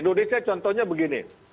indonesia contohnya begini